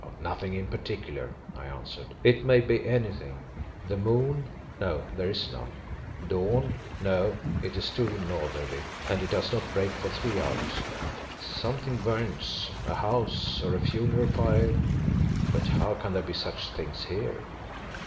"Nothing in particular," I answered, "it may be anything. The moon no, there is none, dawn no, it is too northerly, and it does not break for three hours. Something burning, a house, or a funeral pyre, but how can there be such things here?